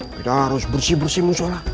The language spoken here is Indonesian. kita harus bersih bersih musola